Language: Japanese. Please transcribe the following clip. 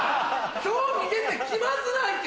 今日逃げて気まずないか？